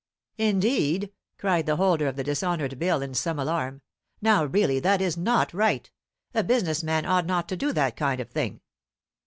"Indeed!" cried the holder of the dishonoured bill in some alarm. "Now, really, that is not right; a business man ought not to do that kind of thing."